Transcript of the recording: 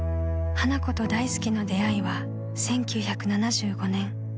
［花子と大助の出会いは１９７５年］